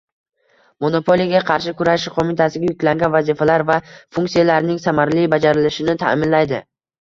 Monopoliyaga qarshi kurashish qo‘mitasiga yuklangan vazifalar va funksiyalarning samarali bajarilishini ta’minlaydi;